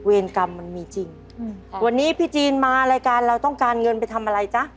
อาชีพนี้เพราะคิดว่าสุดท้ายมันก็คือเวรกรรมมันมีจริงวันนี้พี่จีนมารายการเราต้องการเงินไปทำอะไรจ๊ะ